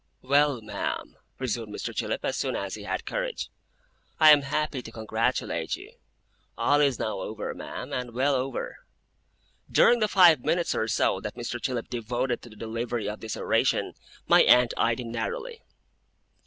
'Well, ma'am,' resumed Mr. Chillip, as soon as he had courage, 'I am happy to congratulate you. All is now over, ma'am, and well over.' During the five minutes or so that Mr. Chillip devoted to the delivery of this oration, my aunt eyed him narrowly.